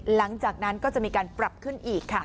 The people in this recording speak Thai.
หลังจากนั้นก็จะมีการปรับขึ้นอีกค่ะ